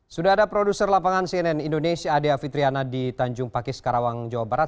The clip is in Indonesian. sudah ada produser lapangan cnn indonesia adea fitriana di tanjung pakis karawang jawa barat